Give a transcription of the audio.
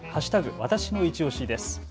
わたしのいちオシです。